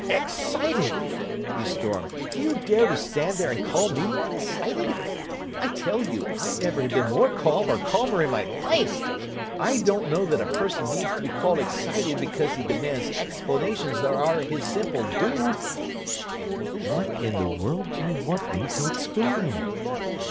"'Excited!'" he stormed. "Do you dare to stand there and call me 'excited'? I tell you, I never have been more calm or calmer in my life! I don't know that a person needs to be called 'excited' because he demands explanations that are his simple due!" "What in the world do you want me to explain?"